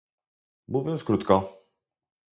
Mówiąc krótko